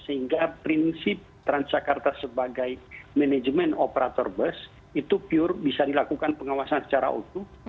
sehingga prinsip transjakarta sebagai manajemen operator bus itu pure bisa dilakukan pengawasan secara utuh